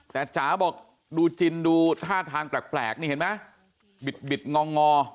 แต่จ๋าบอกดูจินดูท่าทางแปลกนี่เห็นไหมบิดงองอ